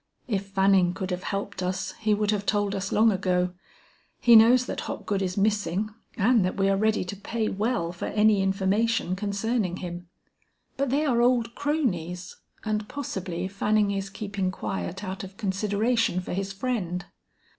"If Fanning could have helped us, he would have told us long ago. He knows that Hopgood is missing and that we are ready to pay well for any information concerning him." "But they are old cronies, and possibly Fanning is keeping quiet out of consideration for his friend."